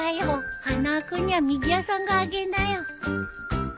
花輪君にはみぎわさんがあげなよ。